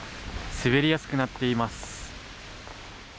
滑りやすくなっています。